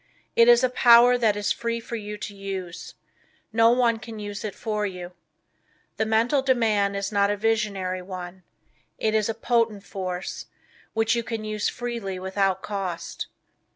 It is a power that is free for you to use. No one can use it for you. The Mental Demand is not a visionary one. It is a potent force, which you can use freely without cost.